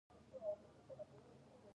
هغوی یوځای د تاوده ماښام له لارې سفر پیل کړ.